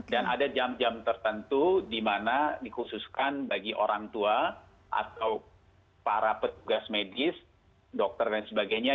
dan ada jam jam tertentu di mana dikhususkan bagi orang tua atau para tugas medis dokter dan sebagainya